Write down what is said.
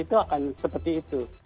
itu akan seperti itu